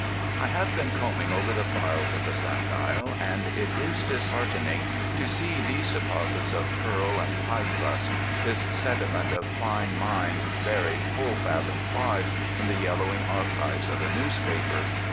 I have been combing over the files of the Sun Dial, and it is disheartening to see these deposits of pearl and pie crust, this sediment of fine mind, buried full fathom five in the yellowing archives of a newspaper.